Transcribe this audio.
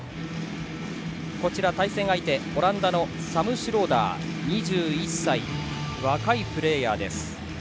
対戦相手オランダのサム・シュローダー２１歳、若いプレーヤーです。